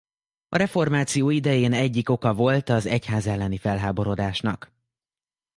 A reformáció idején egyik oka volt az egyház elleni felháborodásnak.